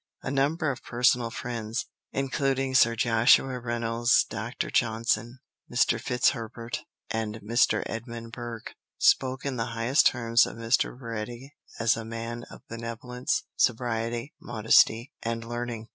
A number of personal friends, including Sir Joshua Reynolds, Doctor Johnson, Mr. Fitz Herbert, and Mr. Edmund Burke, spoke in the highest terms of Mr. Baretti as a "man of benevolence, sobriety, modesty, and learning."